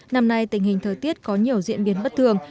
năm nay tình hình thời tiết có nhiều diễn biến bất thường